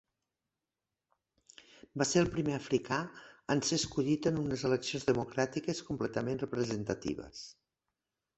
Va ser el primer africà en ser escollit en unes eleccions democràtiques completament representatives.